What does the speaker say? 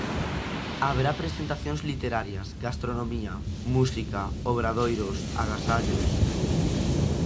Haberá presentacións literarias, gastronomía, música, obradoiros, agasallos...